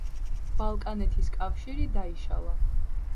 ბალკანეთის კავშირი დაიშალა.